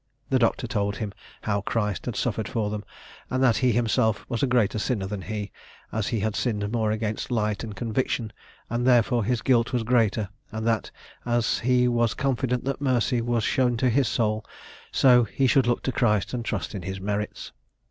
The Doctor told him how Christ had suffered for them; and that he himself was a greater sinner than he, as he had sinned more against light and conviction, and therefore his guilt was greater; and that as he was confident that mercy was shown to his soul, so he should look to Christ and trust in his merits.